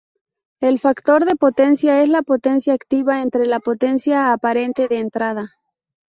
El factor de potencia es la potencia activa entre la potencia aparente de entrada.